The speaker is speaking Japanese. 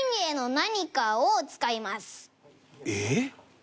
えっ？